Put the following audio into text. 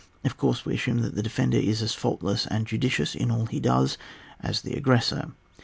Of course, we assume that the defender is as faultless and judicious in all he does as the aggressor.